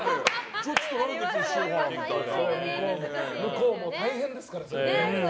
向こうも大変ですから。